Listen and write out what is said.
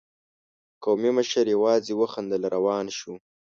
قومي مشر يواځې وخندل، روان شو.